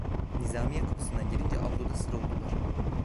Nizamiye kapısından girince avluda sıra oldular.